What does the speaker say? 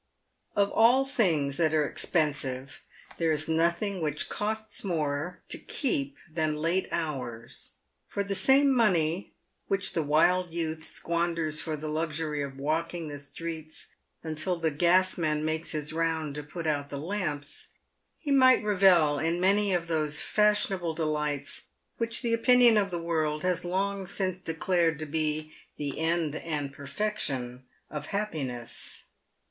Oe all things that are expensive there is nothing which costs more to keep than late hours. For the same money which the wild youth squanders for the luxury of walking the streets until the gasman makes his rounds to put out the lamps, he might revel in many of those fashionable delights which the opinion of the world has long since declared to be the end and perfection of happiness.